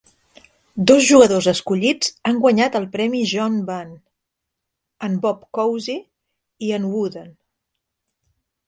Dos jugadors escollits han guanyat el premi John Bunn, en Bob Cousy i en Wooden.